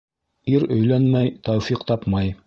Ир өйләнмәй тәүфиҡ тапмай.